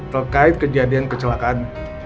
terkait kejadian kecelakaan